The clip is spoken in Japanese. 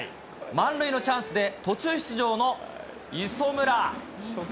満塁のチャンスで途中出場の磯村。